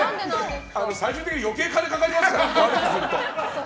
最終的に余計、金かかりますから。